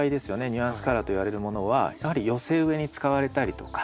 ニュアンスカラーといわれるものはやはり寄せ植えに使われたりとか。